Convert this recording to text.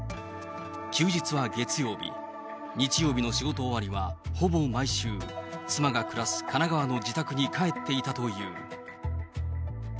休日は月曜日、日曜日の仕事終わりは、ほぼ毎週、妻が暮らす神奈川の自宅に帰っていたという。